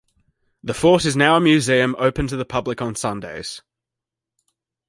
The fort is now a museum open to the public on Sundays.